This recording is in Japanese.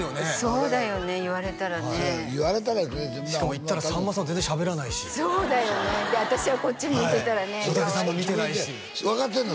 そうだよね言われたらねしかも行ったらさんまさん全然しゃべらないしそうだよねで私はこっち向いてたらね分かってんの？